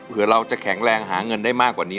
เผื่อเราจะแข็งแรงหาเงินได้มากกว่านี้